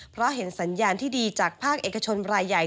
เพราะเห็นสัญญาณที่ดีจากภาคเอกชนรายใหญ่